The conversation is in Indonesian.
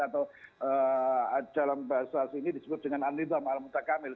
atau dalam bahasa sini disebut dengan anlidom alam takamil